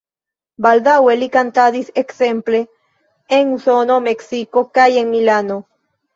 Baldaŭe li kantadis ekzemple en Usono, Meksiko kaj en Milano.